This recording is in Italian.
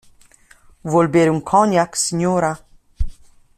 Vuol bere un cognac, signora?